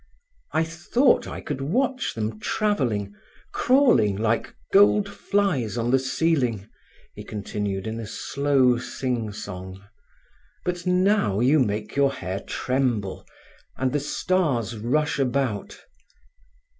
"I thought I could watch them travelling, crawling like gold flies on the ceiling," he continued in a slow sing song. "But now you make your hair tremble, and the stars rush about."